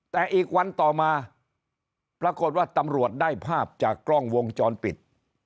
แต่อีกวันต่อมาปรากฏว่าตำรวจได้ภาพจากกล้องวงจรปิด